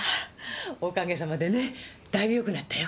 おかげさまでねだいぶ良くなったよ。